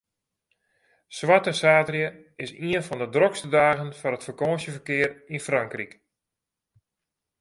Swarte saterdei is ien fan de drokste dagen foar it fakânsjeferkear yn Frankryk.